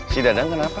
tidak ada kenapa